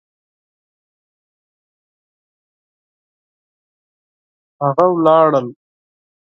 هغوی ولاړل